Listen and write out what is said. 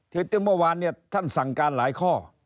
ที่ติ้งเมื่อวานท่านสั่งการหลายข้อ